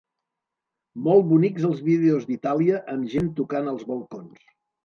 Molt bonics els vídeos d’Itàlia amb gent tocant als balcons.